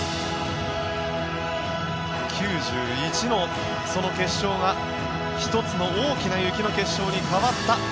９１のその結晶が１つの大きな雪の結晶に変わった。